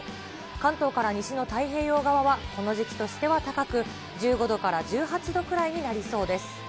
関東から西の太平洋側はこの時期としては高く、１５度から１８度くらいになりそうです。